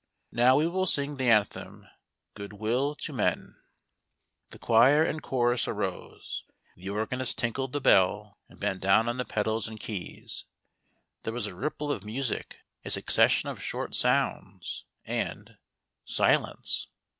— Now we will sing the anthem, ' Good will to menl " The choir and chorus arose. The organist tinkled the bell, and bent down on the pedals and keys. There was a ripple of music, a succession of short sounds, and — silence.